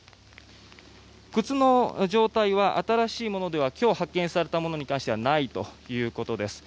靴の状態は、新しいものでは今日、発見されたものに関してはないということです。